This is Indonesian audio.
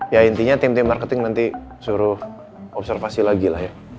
ya intinya tim tim marketing nanti suruh observasi lagi lah ya